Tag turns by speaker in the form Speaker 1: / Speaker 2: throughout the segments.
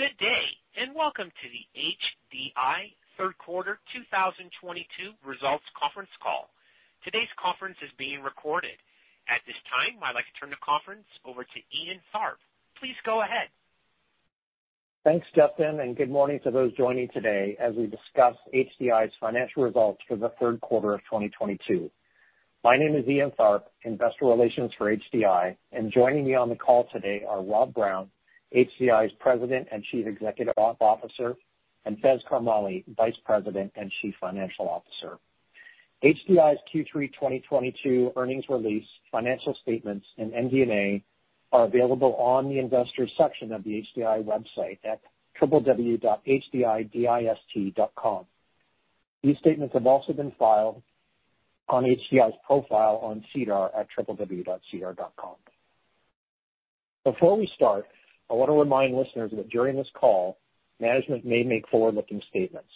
Speaker 1: Good day, and welcome to the ADENTRA Q3 2022 results conference call. Today's conference is being recorded. At this time, I'd like to turn the conference over to Ian Tharp. Please go ahead.
Speaker 2: Thanks, Justin, and good morning to those joining today as we discuss ADENTRA's financial results for the Q3 of 2022. My name is Ian Tharp, Investor Relations for ADENTRA, and joining me on the call today are Rob Brown, ADENTRA's President and Chief Executive Officer, and Faiz Karmally, Vice President and Chief Financial Officer. ADENTRA's Q3 2022 earnings release, financial statements, and MD&A are available on the investors section of the ADENTRA website at www.hdidist.com. These statements have also been filed on ADENTRA's profile on SEDAR at www.sedar.com. Before we start, I want to remind listeners that during this call, management may make forward-looking statements.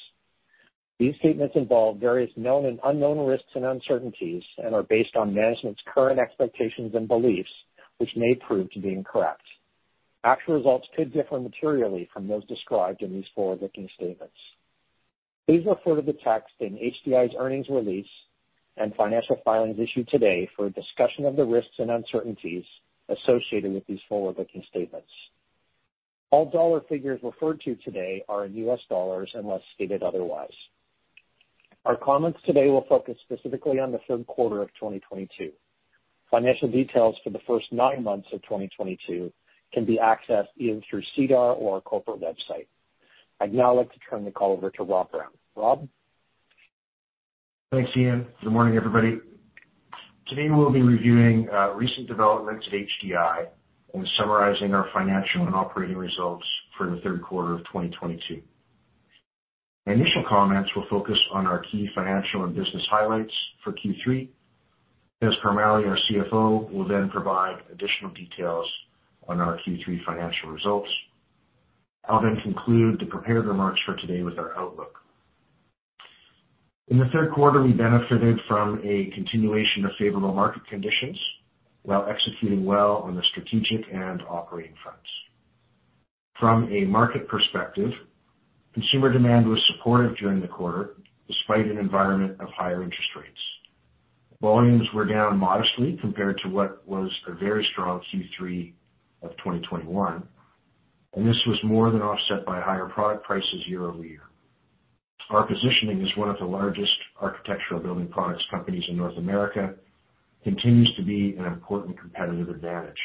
Speaker 2: These statements involve various known and unknown risks and uncertainties and are based on management's current expectations and beliefs, which may prove to be incorrect. Actual results could differ materially from those described in these forward-looking statements. Please refer to the text in ADENTRA's earnings release and financial filings issued today for a discussion of the risks and uncertainties associated with these forward-looking statements. All dollar figures referred to today are in US dollars unless stated otherwise. Our comments today will focus specifically on the Q3 of 2022. Financial details for the first nine months of 2022 can be accessed either through SEDAR or our corporate website. I'd now like to turn the call over to Rob Brown. Rob?
Speaker 3: Thanks, Ian. Good morning, everybody. Today, we'll be reviewing recent developments at ADENTRA and summarizing our financial and operating results for the Q3 of 2022. My initial comments will focus on our key financial and business highlights for Q3. Faiz Karmally, our CFO, will then provide additional details on our Q3 financial results. I'll then conclude the prepared remarks for today with our outlook. In the Q3, we benefited from a continuation of favorable market conditions while executing well on the strategic and operating fronts. From a market perspective, consumer demand was supportive during the quarter despite an environment of higher interest rates. Volumes were down modestly compared to what was a very strong Q3 of 2021, and this was more than offset by higher product prices year over year. Our positioning as one of the largest architectural building products companies in North America continues to be an important competitive advantage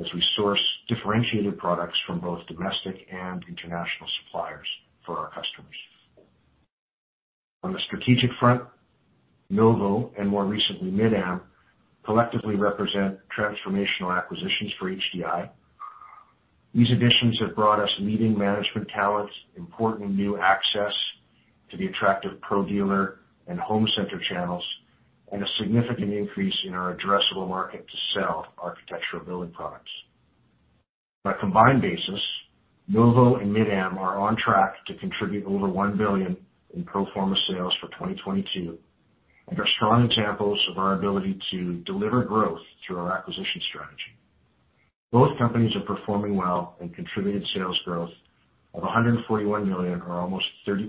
Speaker 3: as we source differentiated products from both domestic and international suppliers for our customers. On the strategic front, Novo and more recently Mid-Am collectively represent transformational acquisitions for ADENTRA. These additions have brought us leading management talents, important new access to the attractive pro dealer and home center channels, and a significant increase in our addressable market to sell architectural building products. On a combined basis, Novo and Mid-Am are on track to contribute over $1 billion in pro forma sales for 2022 and are strong examples of our ability to deliver growth through our acquisition strategy. Both companies are performing well and contributed sales growth of $141 million or almost 30%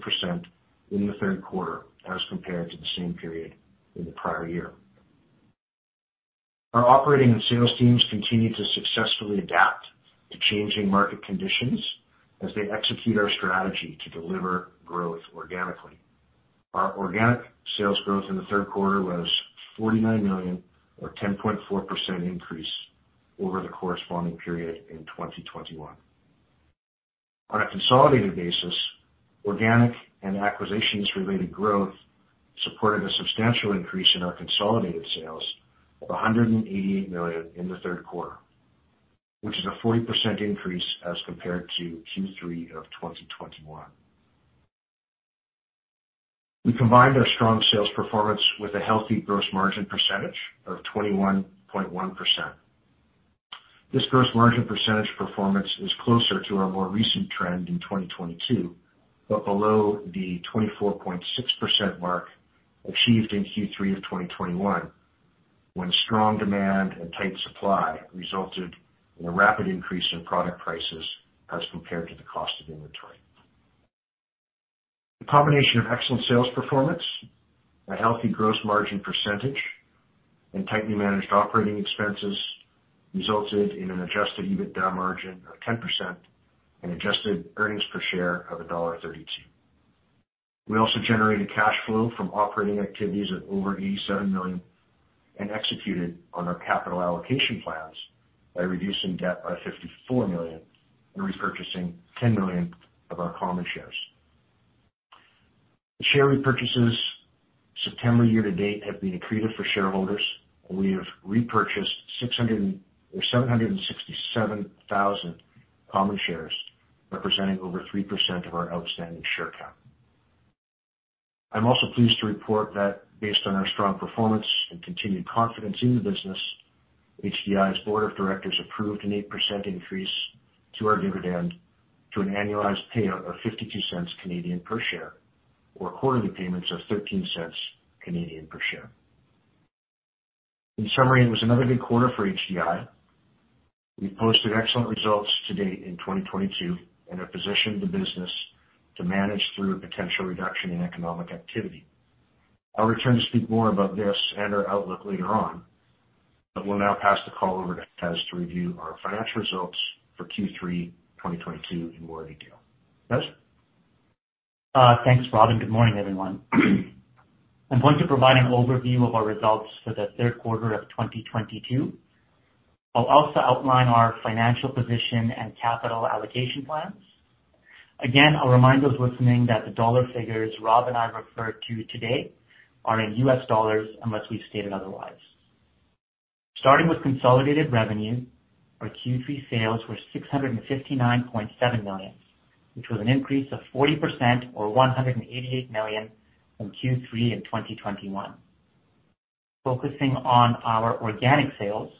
Speaker 3: in the third quarter as compared to the same period in the prior year. Our operating and sales teams continue to successfully adapt to changing market conditions as they execute our strategy to deliver growth organically. Our organic sales growth in the Q3 was $49 million or 10.4% increase over the corresponding period in 2021. On a consolidated basis, organic and acquisitions-related growth supported a substantial increase in our consolidated sales of $188 million in the Q3, which is a 40% increase as compared to Q3 of 2021. We combined our strong sales performance with a healthy gross margin percentage of 21.1%. This gross margin percentage performance is closer to our more recent trend in 2022, but below the 24.6% mark achieved in Q3 of 2021, when strong demand and tight supply resulted in a rapid increase in product prices as compared to the cost of inventory. The combination of excellent sales performance, a healthy gross margin percentage, and tightly managed operating expenses resulted in an adjusted EBITDA margin of 10% and adjusted earnings per share of $1.32. We also generated cash flow from operating activities of over $87 million and executed on our capital allocation plans by reducing debt by $54 million and repurchasing $10 million of our common shares. The share repurchases September year to date have been accretive for shareholders, and we have repurchased 767,000 common shares, representing over 3% of our outstanding share count. I'm also pleased to report that based on our strong performance and continued confidence in the business, HDI's board of directors approved an 8% increase to our dividend to an annualized payout of 0.52 per share or quarterly payments of 0.13 per share. In summary, it was another good quarter for HDI. We posted excellent results to date in 2022 and have positioned the business to manage through a potential reduction in economic activity. I'll return to speak more about this and our outlook later on, but will now pass the call over to Faiz Karmally to review our financial results for Q3 2022 in more detail. Faiz Karmally.
Speaker 4: Thanks, Rob, and good morning, everyone. I'm going to provide an overview of our results for the Q3 of 2022. I'll also outline our financial position and capital allocation plans. Again, I'll remind those listening that the dollar figures Rob and I refer to today are in US dollars unless we've stated otherwise. Starting with consolidated revenue, our Q3 sales were $659.7 million, which was an increase of 40% or $188 million from Q3 in 2021. Focusing on our organic sales,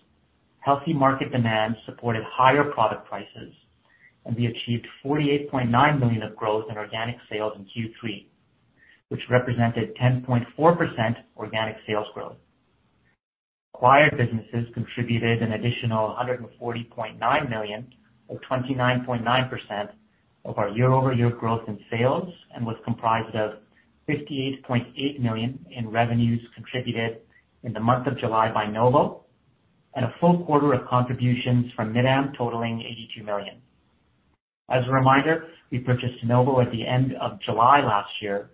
Speaker 4: healthy market demand supported higher product prices, and we achieved $48.9 million of growth in organic sales in Q3, which represented 10.4% organic sales growth. Acquired businesses contributed an additional $140.9 million or 29.9% of our year-over-year growth in sales and was comprised of $58.8 million in revenues contributed in the month of July by Novo and a full quarter of contributions from Mid-Am totaling $82 million. As a reminder, we purchased Novo at the end of July last year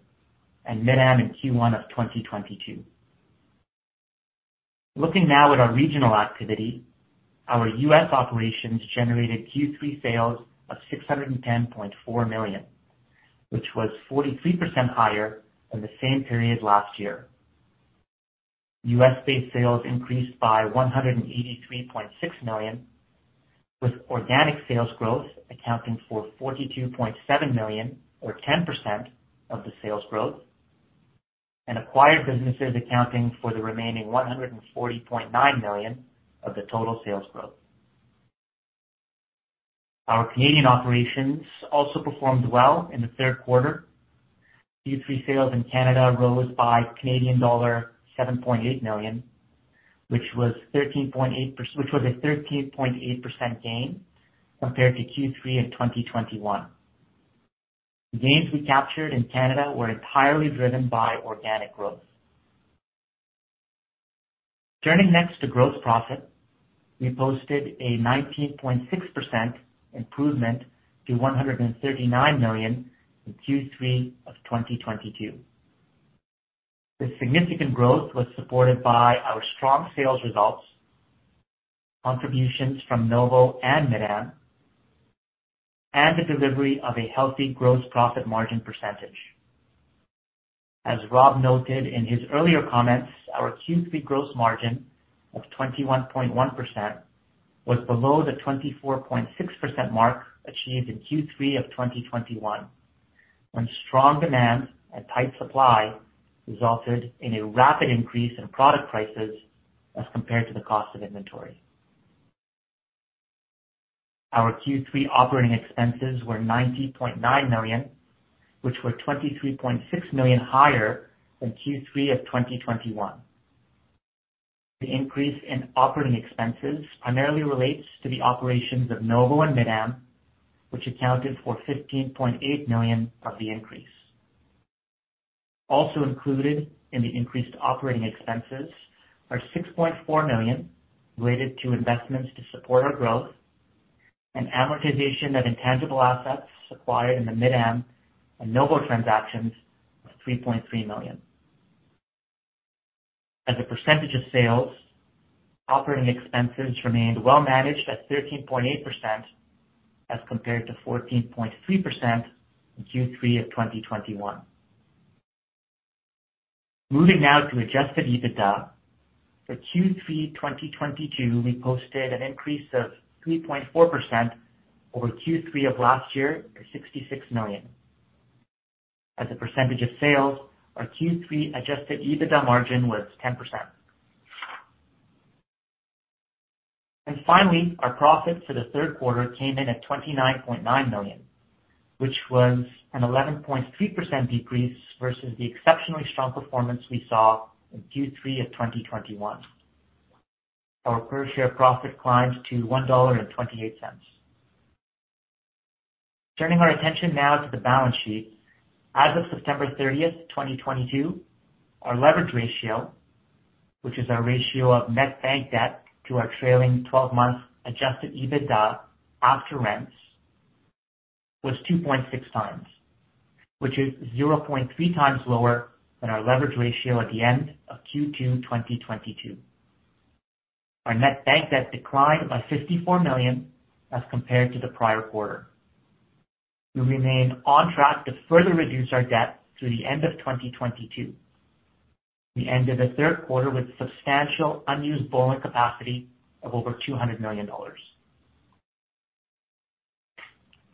Speaker 4: and Mid-Am in Q1 of 2022. Looking now at our regional activity, our U.S. operations generated Q3 sales of $610.4 million, which was 43% higher than the same period last year. U.S.-based sales increased by $183.6 million, with organic sales growth accounting for $42.7 million or 10% of the sales growth and acquired businesses accounting for the remaining $140.9 million of the total sales growth. Our Canadian operations also performed well in the Q3. Q3 sales in Canada rose by Canadian dollar 7.8 million, which was a 13.8% gain compared to Q3 in 2021. The gains we captured in Canada were entirely driven by organic growth. Turning next to gross profit, we posted a 19.6% improvement to $139 million in Q3 of 2022. This significant growth was supported by our strong sales results, contributions from Novo and Mid-Am, and the delivery of a healthy gross profit margin percentage. As Rob noted in his earlier comments, our Q3 gross margin of 21.1% was below the 24.6% mark achieved in Q3 of 2021, when strong demand and tight supply resulted in a rapid increase in product prices as compared to the cost of inventory. Our Q3 operating expenses were $90.9 million, which were $23.6 million higher than Q3 of 2021. The increase in operating expenses primarily relates to the operations of Novo and Mid-Am, which accounted for $15.8 million of the increase. Also included in the increased operating expenses are $6.4 million related to investments to support our growth and amortization of intangible assets acquired in the Mid-Am and Novo transactions of $3.3 million. As a percentage of sales, operating expenses remained well managed at 13.8% as compared to 14.3% in Q3 of 2021. Moving now to adjusted EBITDA. For Q3 2022, we posted an increase of 3.4% over Q3 of last year to $66 million. As a percentage of sales, our Q3 adjusted EBITDA margin was 10%. Finally, our profit for the third quarter came in at $29.9 million, which was an 11.3% decrease versus the exceptionally strong performance we saw in Q3 of 2021. Our per share profit climbed to $1.28. Turning our attention now to the balance sheet. As of September 30, 2022, our leverage ratio, which is our ratio of net bank debt to our trailing 12-month adjusted EBITDA after rents, was 2.6x, which is 0.3x lower than our leverage ratio at the end of Q2 2022. Our net bank debt declined by $54 million as compared to the prior quarter. We remain on track to further reduce our debt through the end of 2022. We ended the Q3 with substantial unused borrowing capacity of over $200 million.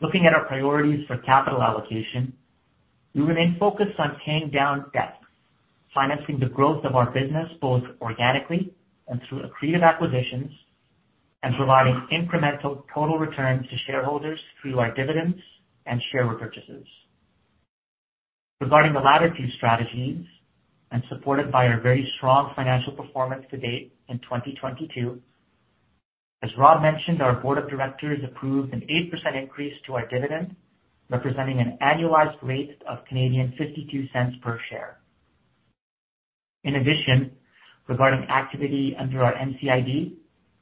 Speaker 4: Looking at our priorities for capital allocation, we remain focused on paying down debt, financing the growth of our business both organically and through accretive acquisitions, and providing incremental total returns to shareholders through our dividends and share repurchases. Regarding the latter two strategies and supported by our very strong financial performance to date in 2022, as Rob mentioned, our board of directors approved an 8% increase to our dividend, representing an annualized rate of 0.52 per share. In addition, regarding activity under our NCIB,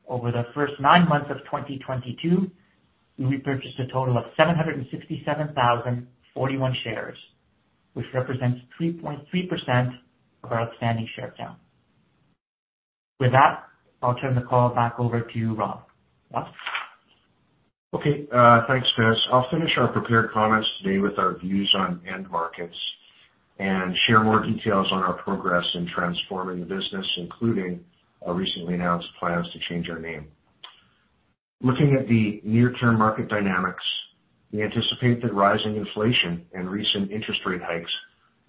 Speaker 4: over the first nine months of 2022, we repurchased a total of 767,041 shares, which represents 3.3% of our outstanding share count. With that, I'll turn the call back over to you, Rob. Rob?
Speaker 3: Okay. Thanks, Faiz. I'll finish our prepared comments today with our views on end markets and share more details on our progress in transforming the business, including our recently announced plans to change our name. Looking at the near-term market dynamics, we anticipate that rising inflation and recent interest rate hikes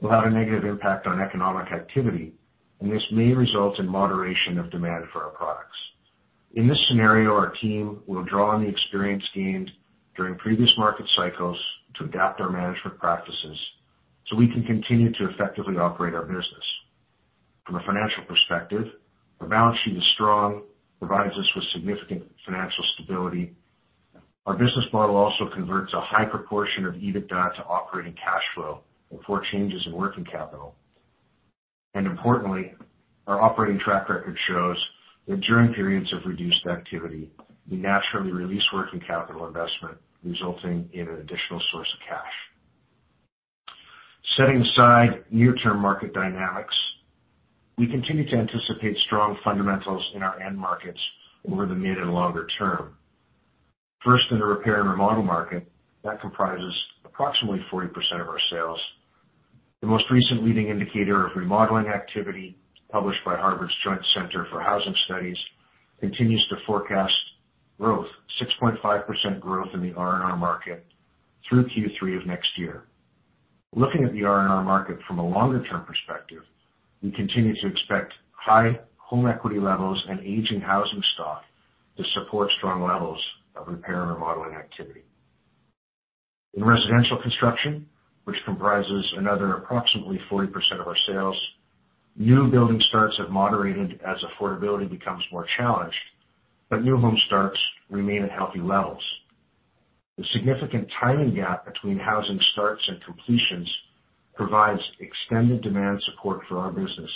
Speaker 3: will have a negative impact on economic activity, and this may result in moderation of demand for our products. In this scenario, our team will draw on the experience gained during previous market cycles to adapt our management practices so we can continue to effectively operate our business. From a financial perspective, our balance sheet is strong, provides us with significant financial stability. Our business model also converts a high proportion of EBITDA to operating cash flow before changes in working capital. Importantly, our operating track record shows that during periods of reduced activity, we naturally release working capital investment, resulting in an additional source of cash. Setting aside near-term market dynamics, we continue to anticipate strong fundamentals in our end markets over the mid and longer term. First, in the repair and remodel market, that comprises approximately 40% of our sales. The most recent leading indicator of remodeling activity, published by Harvard's Joint Center for Housing Studies, continues to forecast 6.5% growth in the R&R market through Q3 of next year. Looking at the R&R market from a longer-term perspective, we continue to expect high home equity levels and aging housing stock to support strong levels of repair and remodeling activity. In residential construction, which comprises another approximately 40% of our sales, new building starts have moderated as affordability becomes more challenged, but new home starts remain at healthy levels. The significant timing gap between housing starts and completions provides extended demand support for our business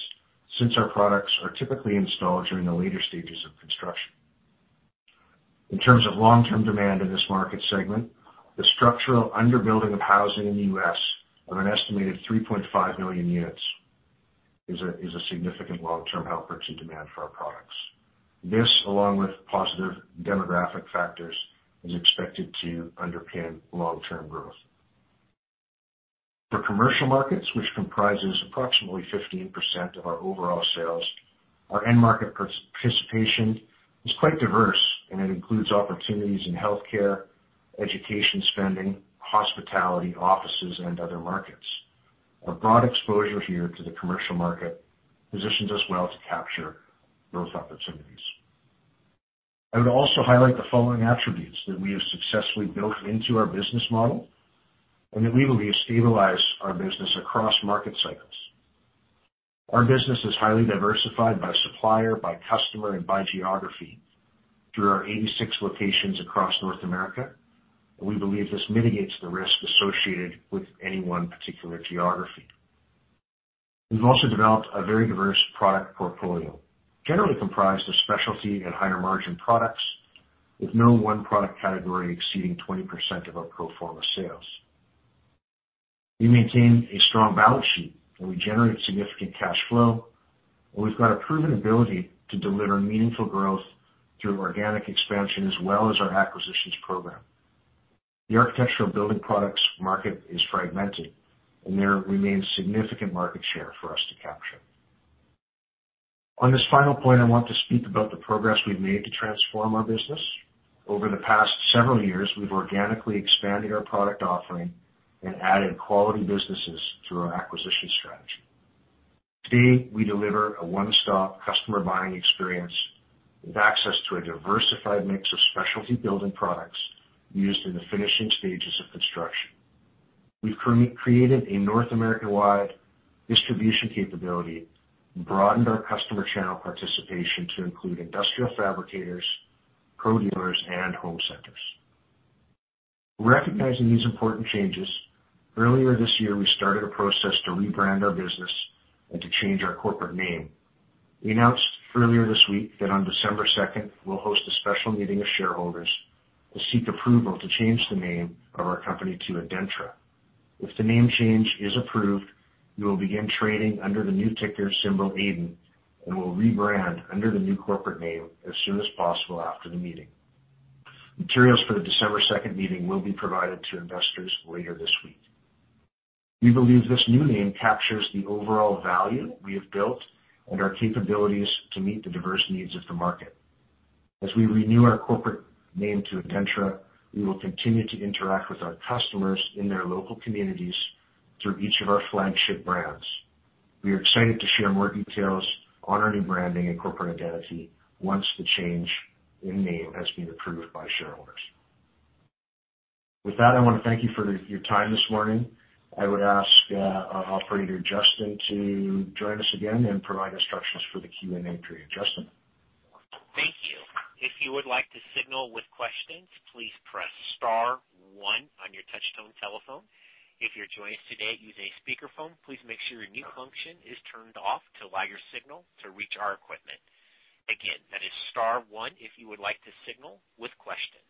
Speaker 3: since our products are typically installed during the later stages of construction. In terms of long-term demand in this market segment, the structural under-building of housing in the U.S. of an estimated 3.5 million units is a significant long-term helper to demand for our products. This, along with positive demographic factors, is expected to underpin long-term growth. For commercial markets, which comprises approximately 15% of our overall sales, our end market participation is quite diverse, and it includes opportunities in healthcare, education spending, hospitality, offices, and other markets. Our broad exposure here to the commercial market positions us well to capture growth opportunities. I would also highlight the following attributes that we have successfully built into our business model and that we believe stabilize our business across market cycles. Our business is highly diversified by supplier, by customer, and by geography through our 86 locations across North America. We believe this mitigates the risk associated with any one particular geography. We've also developed a very diverse product portfolio, generally comprised of specialty and higher-margin products, with no one product category exceeding 20% of our pro forma sales. We maintain a strong balance sheet, and we generate significant cash flow, and we've got a proven ability to deliver meaningful growth through organic expansion as well as our acquisitions program. The architectural building products market is fragmented, and there remains significant market share for us to capture. On this final point, I want to speak about the progress we've made to transform our business. Over the past several years, we've organically expanded our product offering and added quality businesses through our acquisition strategy. Today, we deliver a one-stop customer buying experience with access to a diversified mix of specialty building products used in the finishing stages of construction. We've created a North America-wide distribution capability and broadened our customer channel participation to include industrial fabricators, pro dealers, and home centers. Recognizing these important changes, earlier this year, we started a process to rebrand our business and to change our corporate name. We announced earlier this week that on December second, we'll host a special meeting of shareholders to seek approval to change the name of our company to ADENTRA. If the name change is approved, we will begin trading under the new ticker symbol ADEN and will rebrand under the new corporate name as soon as possible after the meeting. Materials for the December second meeting will be provided to investors later this week. We believe this new name captures the overall value we have built and our capabilities to meet the diverse needs of the market. As we renew our corporate name to ADENTRA, we will continue to interact with our customers in their local communities through each of our flagship brands. We are excited to share more details on our new branding and corporate identity once the change in name has been approved by shareholders. With that, I wanna thank you for your time this morning. I would ask our operator, Justin, to join us again and provide instructions for the Q&A period. Justin?
Speaker 1: Thank you. If you would like to signal with questions, please press star one on your touchtone telephone. If you're joining us today using a speakerphone, please make sure your mute function is turned off to allow your signal to reach our equipment. Again, that is star one if you would like to signal with questions.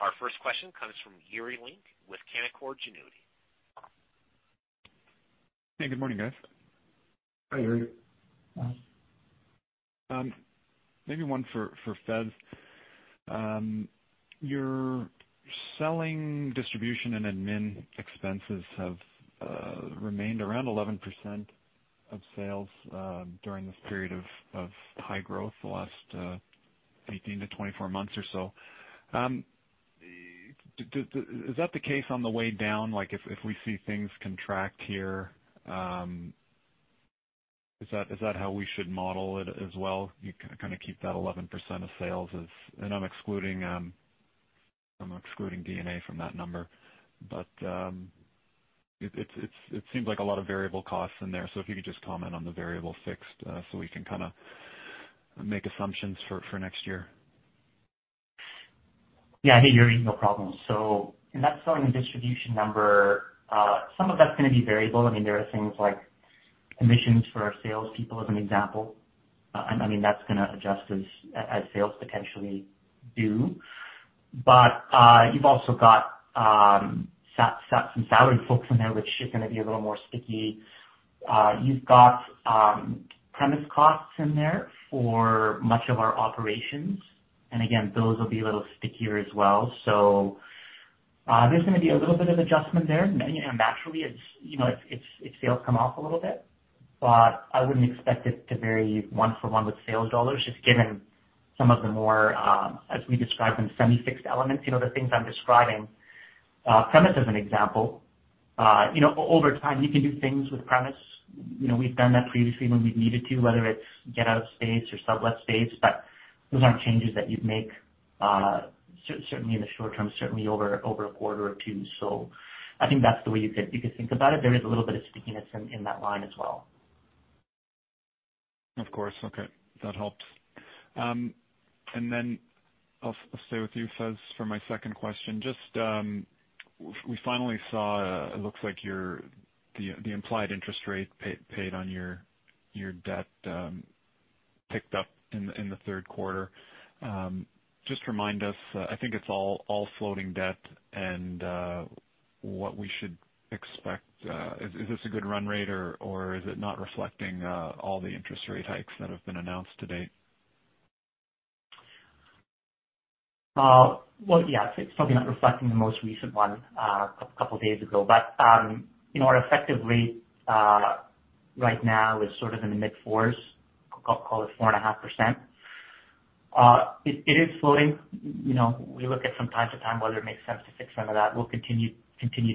Speaker 1: Our first question comes from Yuri Lynk with Canaccord Genuity.
Speaker 5: Hey, good morning, guys.
Speaker 3: Hi, Yuri.
Speaker 5: Maybe one for Faiz. Your selling distribution and admin expenses have remained around 11% of sales during this period of high growth the last 18-24 months or so. Is that the case on the way down? If we see things contract here, is that how we should model it as well? You kinda keep that 11% of sales as... I'm excluding D&A from that number, but it seems like a lot of variable costs in there. If you could just comment on the variable fixed, so we can kinda make assumptions for next year.
Speaker 4: Yeah, hey, Yuri. No problem. In that selling and distribution number, some of that's gonna be variable. I mean, there are things like commissions for our sales people, as an example. I mean, that's gonna adjust as sales potentially do. You've also got some salaried folks in there, which is gonna be a little more sticky. You've got premises costs in there for much of our operations, and again, those will be a little stickier as well. There's gonna be a little bit of adjustment there, you know, naturally, it's, you know, if sales come off a little bit. I wouldn't expect it to vary one for one with sales dollars, just given some of the more, as we described them, semi-fixed elements, you know, the things I'm describing. Premise, as an example, you know, over time, you can do things with premise. You know, we've done that previously when we've needed to, whether it's get out of space or sublet space, but those aren't changes that you'd make, certainly in the short term, certainly over a quarter or two. I think that's the way you could think about it. There is a little bit of stickiness in that line as well.
Speaker 5: Of course. Okay. That helps. I'll stay with you, Faiz, for my second question. Just, we finally saw it looks like your the implied interest rate paid on your debt picked up in the Q3. Just remind us, I think it's all floating debt and what we should expect. Is this a good run rate or is it not reflecting all the interest rate hikes that have been announced to date?
Speaker 4: Well, yeah, it's probably not reflecting the most recent one, a couple days ago. You know, our effective rate right now is sort of in the mid-fours. Call it 4.5%. It is floating. You know, we look at from time to time whether it makes sense to fix some of that. We'll continue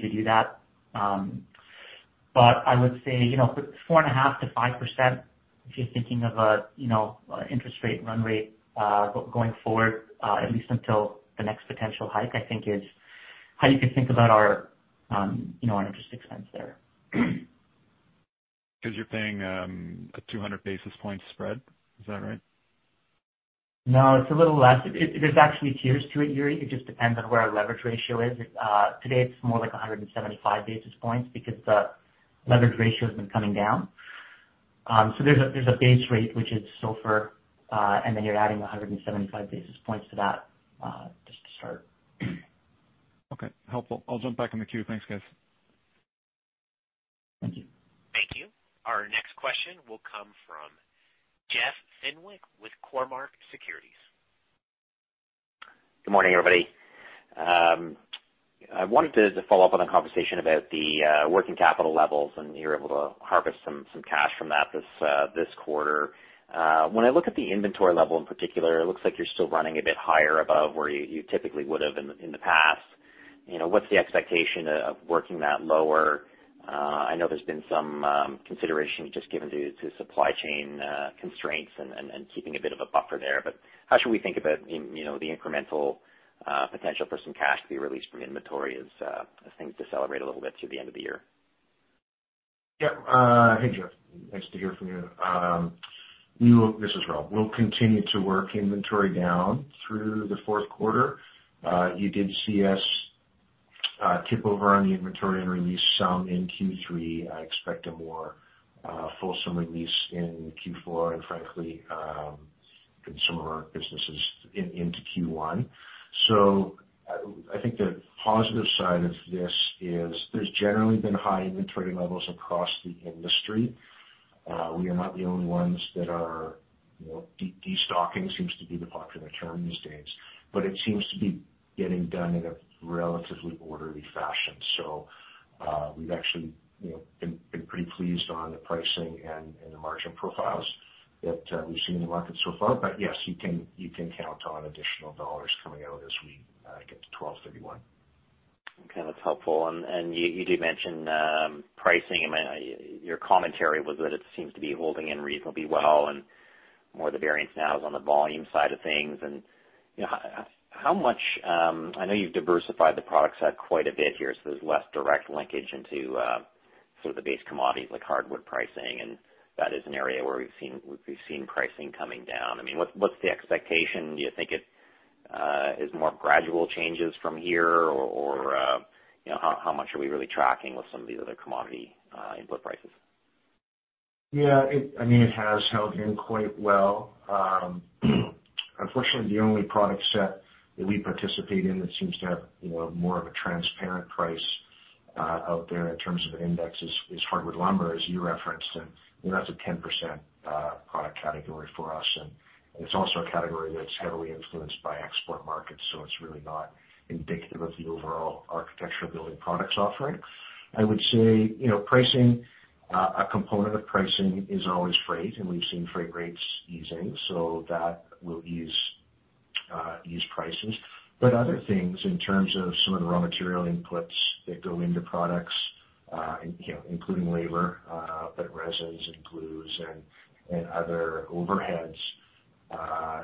Speaker 4: to do that. I would say, you know, 4.5%-5% if you're thinking of a, you know, interest rate run rate, going forward, at least until the next potential hike, I think, is how you can think about our, you know, our interest expense there.
Speaker 5: 'Cause you're paying a 200 basis points spread. Is that right?
Speaker 4: No, it's a little less. There's actually tiers to it, Yuri. It just depends on where our leverage ratio is. Today it's more like 175 basis points because the leverage ratio has been coming down. There's a base rate which is SOFR, and then you're adding 175 basis points to that, just to start.
Speaker 5: Okay. Helpful. I'll jump back in the queue. Thanks, guys.
Speaker 4: Thank you.
Speaker 1: Thank you. Our next question will come from Jeff Fenwick with Cormark Securities.
Speaker 6: Good morning, everybody. I wanted to follow up on the conversation about the working capital levels, and you're able to harvest some cash from that this quarter. When I look at the inventory level in particular, it looks like you're still running a bit higher above where you typically would have in the past. You know, what's the expectation of working that lower? I know there's been some consideration just given to supply chain constraints and keeping a bit of a buffer there, but how should we think about, you know, the incremental potential for some cash to be released from inventory as things decelerate a little bit through the end of the year?
Speaker 3: Yeah. Hey, Jeff. Nice to hear from you. This is Rob. We'll continue to work inventory down through the Q4. You did see us tip over on the inventory and release some in Q3. I expect a more fulsome release in Q4 and frankly in some of our businesses into Q1. I think the positive side of this is there's generally been high inventory levels across the industry. We are not the only ones that are you know destocking seems to be the popular term these days, but it seems to be getting done in a relatively orderly fashion. We've actually you know been pretty pleased on the pricing and the margin profiles that we've seen in the market so far. Yes, you can count on additional dollars coming out as we get to $1231.
Speaker 6: Okay, that's helpful. You did mention pricing. I mean, your commentary was that it seems to be holding in reasonably well and more of the variance now is on the volume side of things. You know, how much. I know you've diversified the product set quite a bit here, so there's less direct linkage into sort of the base commodities like hardwood pricing, and that is an area where we've been seeing pricing coming down. I mean, what's the expectation? Do you think it is more gradual changes from here or you know, how much are we really tracking with some of these other commodity input prices?
Speaker 3: Yeah, I mean, it has held in quite well. Unfortunately the only product set that we participate in that seems to have, you know, more of a transparent price out there in terms of index is hardwood lumber, as you referenced, and, you know, that's a 10% product category for us. It's also a category that's heavily influenced by export markets, so it's really not indicative of the overall architectural building products offering. I would say, you know, pricing, a component of pricing is always freight, and we've seen freight rates easing, so that will ease prices. Other things, in terms of some of the raw material inputs that go into products, you know, including labor, but resins and glues and other overheads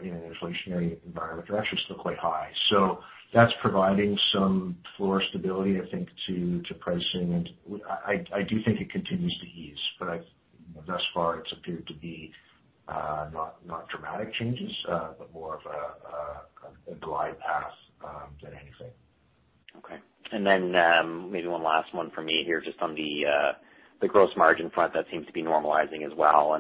Speaker 3: in an inflationary environment are actually still quite high. That's providing some floor stability, I think, to pricing. I do think it continues to ease, but thus far it's appeared to be not dramatic changes, but more of a glide path than anything.
Speaker 6: Okay. Maybe one last one for me here just on the gross margin front that seems to be normalizing as well.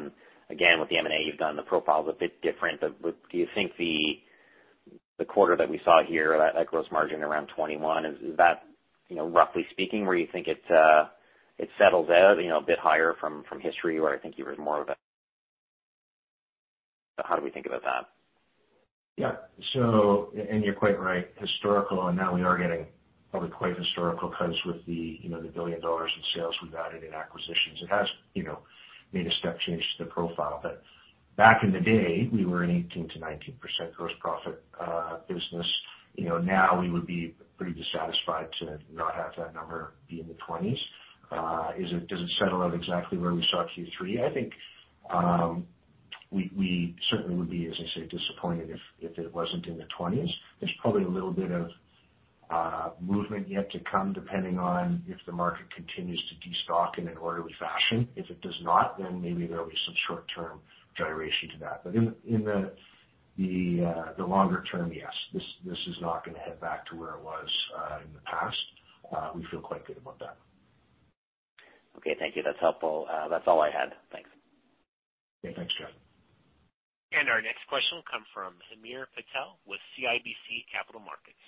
Speaker 6: Again, with the M&A you've done, the profile is a bit different. Do you think the quarter that we saw here, that gross margin around 21%, is that, you know, roughly speaking where you think it settles out, you know, a bit higher from history where I think you were more of a. How do we think about that?
Speaker 3: You're quite right, historical, and now we are getting probably quite historical because with the, you know, the $1 billion in sales we've added in acquisitions, it has, you know, made a step change to the profile. But back in the day, we were an 18%-19% gross profit business. You know, now we would be pretty dissatisfied to not have that number be in the 20s. Does it settle out exactly where we saw Q3? I think, we certainly would be, as I say, disappointed if it wasn't in the 20s. There's probably a little bit of movement yet to come, depending on if the market continues to de-stock in an orderly fashion. If it does not, then maybe there'll be some short-term gyration to that. In the longer term, yes, this is not gonna head back to where it was in the past. We feel quite good about that.
Speaker 6: Okay, thank you. That's helpful. That's all I had. Thanks.
Speaker 3: Yeah, thanks, Jeff Fenwick.
Speaker 1: Our next question will come from Hamir Patel with CIBC Capital Markets.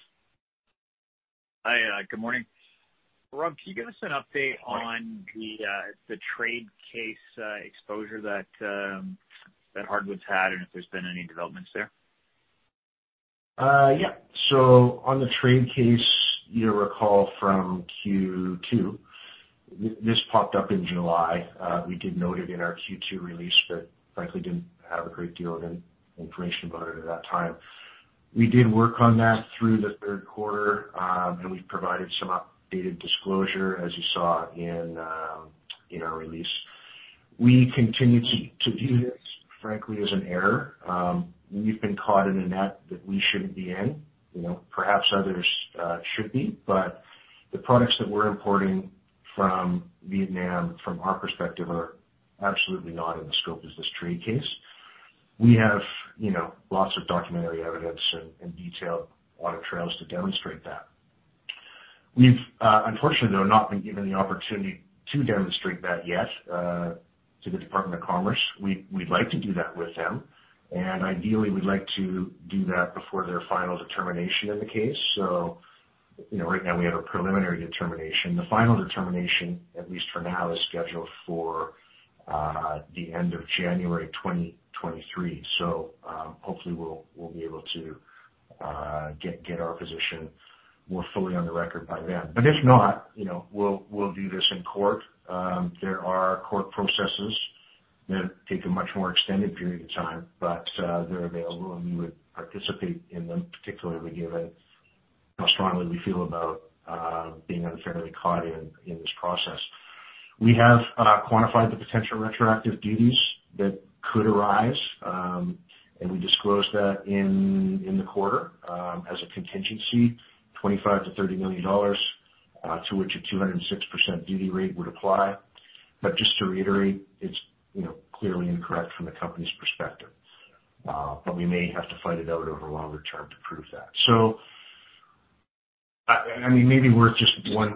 Speaker 7: Hi, good morning. Rob, can you give us an update-
Speaker 3: Hi
Speaker 7: on the trade case, exposure that Hardwoods had and if there's been any developments there?
Speaker 3: Yeah. On the trade case, you'll recall from Q2, this popped up in July. We did note it in our Q2 release, but frankly didn't have a great deal of information about it at that time. We did work on that through the Q3, and we provided some updated disclosure as you saw in our release. We continue to view this frankly as an error. We've been caught in a net that we shouldn't be in. You know, perhaps others should be, but the products that we're importing from Vietnam from our perspective are absolutely not in the scope of this trade case. We have, you know, lots of documentary evidence and detailed audit trails to demonstrate that. We've unfortunately though not been given the opportunity to demonstrate that yet to the Department of Commerce. We'd like to do that with them, and ideally, we'd like to do that before their final determination of the case. You know, right now we have a preliminary determination. The final determination, at least for now, is scheduled for the end of January 2023. Hopefully, we'll be able to get our position more fully on the record by then. If not, you know, we'll do this in court. There are court processes that take a much more extended period of time, but they're available and we would participate in them, particularly given how strongly we feel about being unfairly caught in this process. We have quantified the potential retroactive duties that could arise, and we disclosed that in the quarter, as a contingency, $25-$30 million, to which a 206% duty rate would apply. Just to reiterate, it's, you know, clearly incorrect from the company's perspective. We may have to fight it out over longer term to prove that. I mean, maybe worth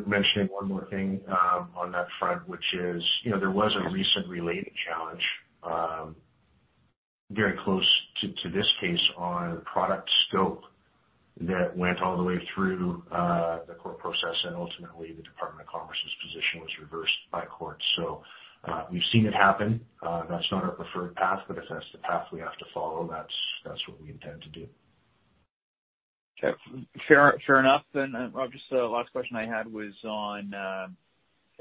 Speaker 3: mentioning one more thing, on that front, which is, you know, there was a recent related challenge, very close to this case on product scope that went all the way through the court process and ultimately the Department of Commerce's position was reversed by court. We've seen it happen. That's not our preferred path, but if that's the path we have to follow, that's what we intend to do.
Speaker 7: Okay. Fair enough. Rob, just a last question I had was on-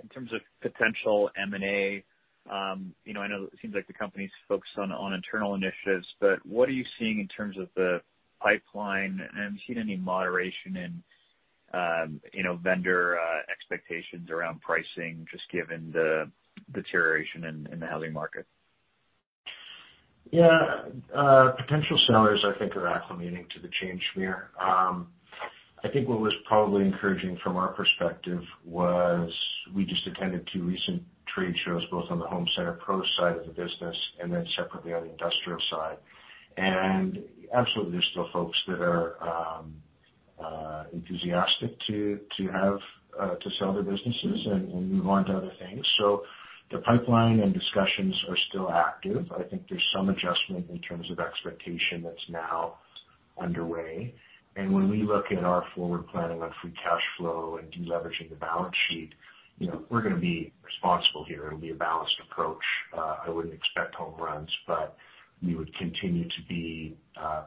Speaker 7: In terms of potential M&A, you know, I know it seems like the company's focused on internal initiatives, but what are you seeing in terms of the pipeline? Have you seen any moderation in, you know, vendor expectations around pricing, just given the deterioration in the housing market?
Speaker 3: Yeah. Potential sellers I think are acclimating to the change here. I think what was probably encouraging from our perspective was we just attended two recent trade shows, both on the home center pro side of the business, and then separately on the industrial side. Absolutely, there's still folks that are enthusiastic to sell their businesses and move on to other things. The pipeline and discussions are still active. I think there's some adjustment in terms of expectation that's now underway. When we look at our forward planning on free cash flow and deleveraging the balance sheet, you know, we're gonna be responsible here. It'll be a balanced approach. I wouldn't expect home runs, but we would continue to be...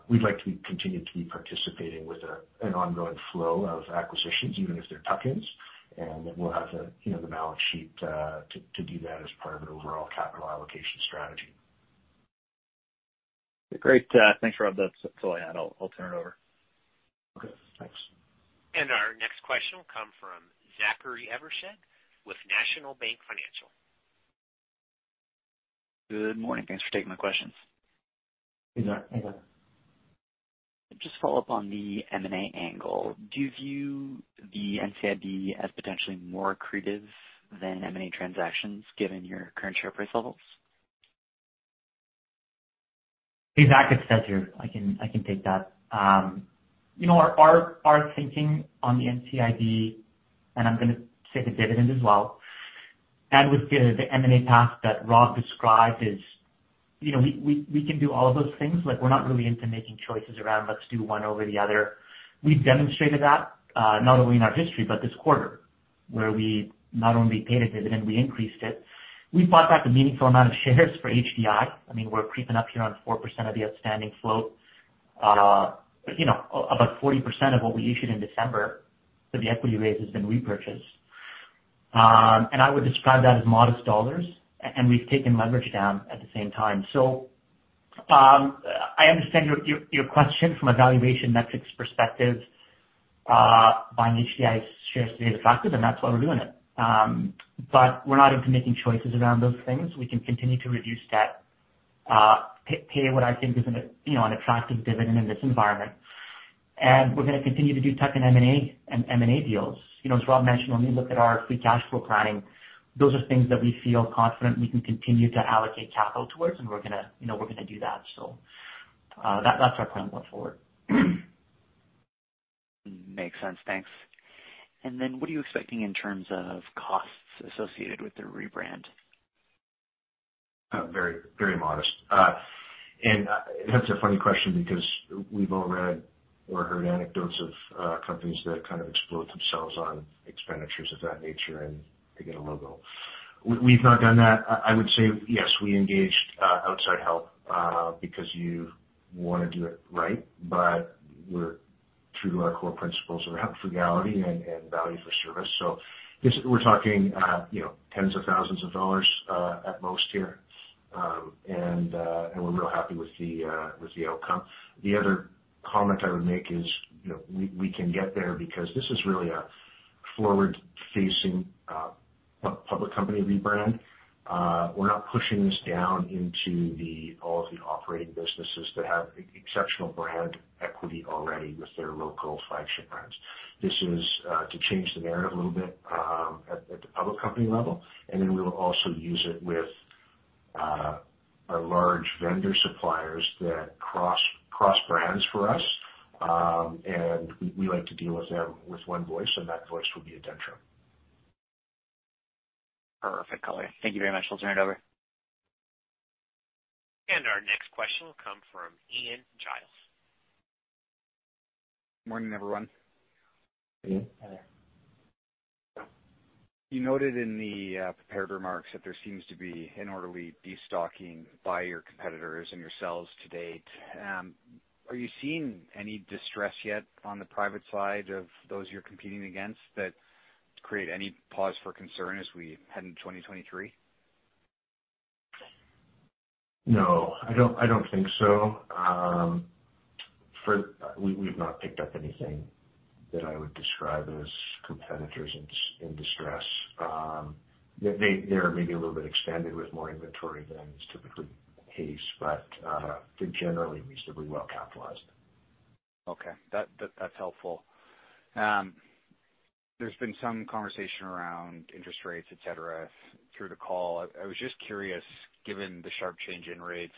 Speaker 3: We'd like to continue to be participating with an ongoing flow of acquisitions, even if they're tuck-ins. We'll have the, you know, the balance sheet to do that as part of an overall capital allocation strategy.
Speaker 7: Great. Thanks, Rob. That's all I had. I'll turn it over.
Speaker 3: Okay, thanks.
Speaker 1: Our next question will come from Zachary Evershed with National Bank Financial.
Speaker 8: Good morning. Thanks for taking my questions.
Speaker 3: Hey, Zachary.
Speaker 8: Just follow up on the M&A angle. Do you view the NCIB as potentially more accretive than M&A transactions given your current share price levels?
Speaker 9: Hey, Zach, it's Seth here. I can take that. You know, our thinking on the NCIB, and I'm gonna say the dividend as well, and with the M&A path that Rob described is, you know, we can do all of those things. Like, we're not really into making choices around, let's do one over the other. We've demonstrated that, not only in our history but this quarter, where we not only paid a dividend, we increased it. We bought back a meaningful amount of shares for ADENTRA. I mean, we're creeping up here on 4% of the outstanding float. But you know, about 40% of what we issued in December for the equity raise has been repurchased. And I would describe that as modest dollars, and we've taken leverage down at the same time.
Speaker 4: I understand your question from a valuation metrics perspective. Buying ADENTRA shares is attractive, and that's why we're doing it. We're not into making choices around those things. We can continue to reduce debt, pay what I think is, you know, an attractive dividend in this environment. We're gonna continue to do tuck-in M&A and M&A deals. You know, as Rob mentioned, when we look at our free cash flow planning, those are things that we feel confident we can continue to allocate capital towards, and we're gonna, you know, do that. That's our plan going forward.
Speaker 8: Makes sense. Thanks. What are you expecting in terms of costs associated with the rebrand?
Speaker 3: Very, very modest. That's a funny question because we've all read or heard anecdotes of companies that kind of explode themselves on expenditures of that nature and to get a logo. We've not done that. I would say, yes, we engaged outside help because you wanna do it right. We're true to our core principles around frugality and value for service. Yes, we're talking, you know, tens of thousands dollars at most here. We're real happy with the outcome. The other comment I would make is, you know, we can get there because this is really a forward-facing public company rebrand. We're not pushing this down into all of the operating businesses that have exceptional brand equity already with their local flagship brands. This is to change the narrative a little bit at the public company level, and then we will also use it with our large vendor suppliers that cross brands for us. We like to deal with them with one voice, and that voice will be ADENTRA.
Speaker 8: Perfect. Okay. Thank you very much. We'll turn it over.
Speaker 1: Our next question will come from Ian Gillies.
Speaker 10: Morning, everyone.
Speaker 3: Hey. Hi there.
Speaker 10: You noted in the prepared remarks that there seems to be an orderly destocking by your competitors and your sales to date. Are you seeing any distress yet on the private side of those you're competing against that create any pause for concern as we head into 2023?
Speaker 3: No, I don't think so. We've not picked up anything that I would describe as competitors in distress. They are maybe a little bit expanded with more inventory than is typically the case, but they're generally reasonably well capitalized.
Speaker 10: Okay. That's helpful. There's been some conversation around interest rates, et cetera, through the call. I was just curious, given the sharp change in rates,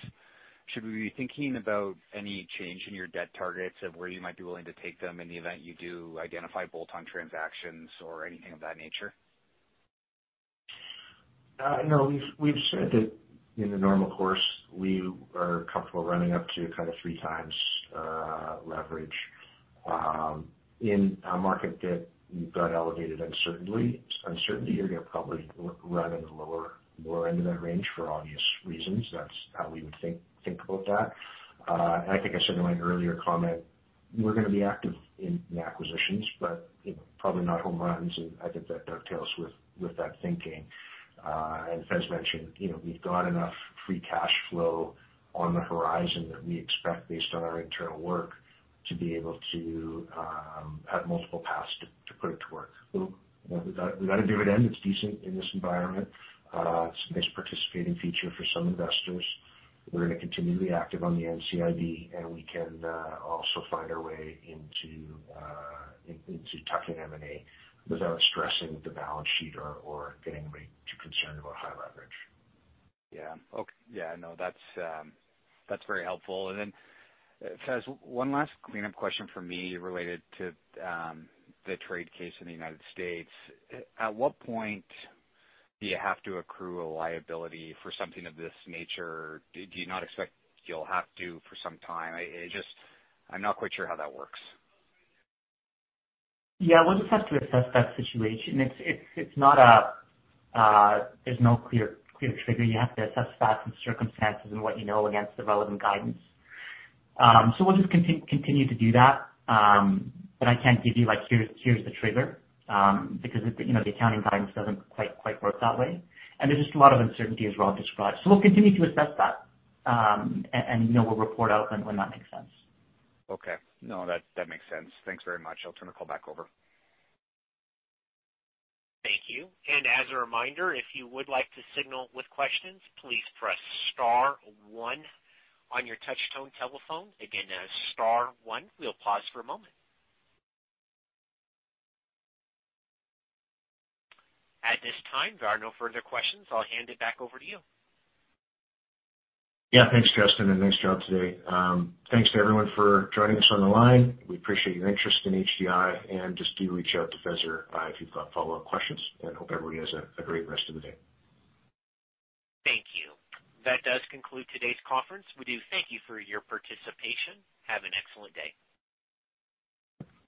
Speaker 10: should we be thinking about any change in your debt targets of where you might be willing to take them in the event you do identify bolt-on transactions or anything of that nature?
Speaker 3: No. We've said that in the normal course, we are comfortable running up to kind of 3x leverage. In a market that you've got elevated uncertainty, you're gonna probably run in the lower end of that range for obvious reasons. That's how we would think about that. I think I said in my earlier comment. We're gonna be active in acquisitions, but you know, probably not home runs. I think that dovetails with that thinking. Faiz mentioned, you know, we've got enough free cash flow on the horizon that we expect based on our internal work to be able to have multiple paths to put it to work. You know, we got a dividend that's decent in this environment. It's a nice participating feature for some investors. We're gonna continue to be active on the NCIB, and we can also find our way into tuck-in M&A without stressing the balance sheet or getting way too concerned about high leverage.
Speaker 10: Yeah. No, that's very helpful. Faiz, one last cleanup question from me related to the trade case in the United States. At what point do you have to accrue a liability for something of this nature? Do you not expect you'll have to for some time? I just, I'm not quite sure how that works.
Speaker 4: Yeah. We'll just have to assess that situation. It's not. There's no clear trigger. You have to assess facts and circumstances and what you know against the relevant guidance. We'll just continue to do that. I can't give you, like, here's the trigger, because it, you know, the accounting guidance doesn't quite work that way. There's just a lot of uncertainty, as Rob described. We'll continue to assess that, and, you know, we'll report out when that makes sense.
Speaker 10: Okay. No, that makes sense. Thanks very much. I'll turn the call back over.
Speaker 1: Thank you. As a reminder, if you would like to signal with questions, please press star one on your touch tone telephone. Again, star one. We'll pause for a moment. At this time, there are no further questions. I'll hand it back over to you.
Speaker 3: Yeah. Thanks, Justin, and nice job today. Thanks to everyone for joining us on the line. We appreciate your interest in ADENTRA, and just do reach out to Faiz or I if you've got follow-up questions. Hope everybody has a great rest of the day.
Speaker 1: Thank you. That does conclude today's conference. We do thank you for your participation. Have an excellent day.